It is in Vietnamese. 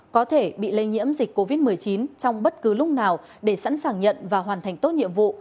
có thể bị lây nhiễm dịch covid một mươi chín trong bất cứ lúc nào để sẵn sàng nhận và hoàn thành tốt nhiệm vụ